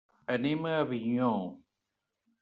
Anem a Avinyó.